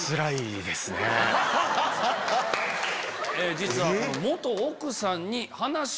実は。